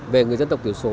về người dân tộc tiểu số